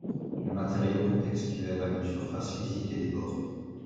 Le matériau contextuel a une surface physique et des bords.